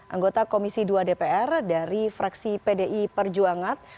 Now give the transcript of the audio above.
anggota komisi dua dpr dari fraksi pdi perjuangan